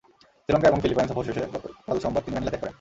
শ্রীলঙ্কা এবং ফিলিপাইন সফর শেষে গতকাল সোমবার তিনি ম্যানিলা ত্যাগ করেন।